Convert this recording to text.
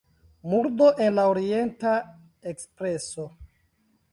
Murdo en la Orienta Ekspreso.